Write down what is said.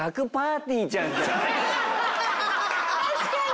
確かに！